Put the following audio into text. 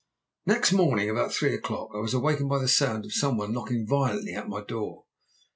"Next morning, about three o'clock, I was awakened by the sound of some one knocking violently at my door.